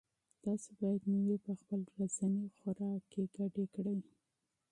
تاسو باید مېوې په خپل ورځني خوراک کې شاملې کړئ.